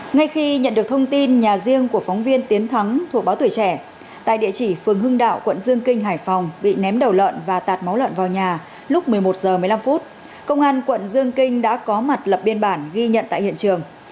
ngay khi nhận được thông tin nhà riêng của phóng viên tiến thắng thuộc báo tuổi trẻ tại địa chỉ phường hưng đạo quận dương kinh hải phòng bị ném đầu lợn và tạt máu lợn vào nhà lúc một mươi một h một mươi năm công an quận dương kinh đã có mặt lập biên bản ghi nhận tại hiện trường